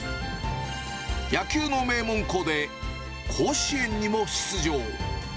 野球の名門校で、甲子園にも出場。